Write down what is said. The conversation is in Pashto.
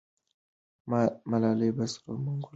ملالۍ په سرو منګولو بیرغ واخیست.